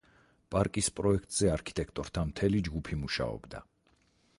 პარკის პროექტზე არქიტექტორთა მთელი ჯგუფი მუშაობდა.